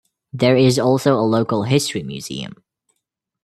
There is also a local history museum.